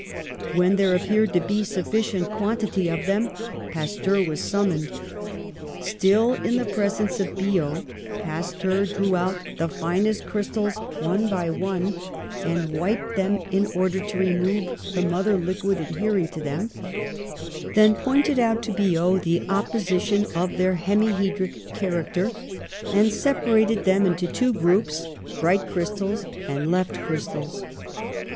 When there appeared to be a suffi cient quantity of them Pasteur was summoned. Still in the presence of Biot, Pasteur drew out 36 PASTEUR the finest crystals, one by one, wiped them in order to remove the mother liquid adhering to them, then pointed out to Biot the opposition of their hemihedric character and separated them into two groups: right crystals and left crystals.